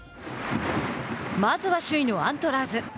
まずは首位のアントラーズ。